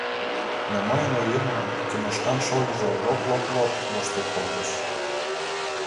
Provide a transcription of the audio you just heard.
Но мыйын оемлан Тимошкан шольыжо лот-лот-лот воштыл колтыш.